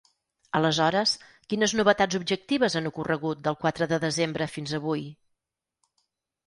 Aleshores, quines novetats objectives han ocorregut del quatre de desembre fins avui?